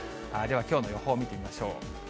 ではきょうの予報、見てみましょう。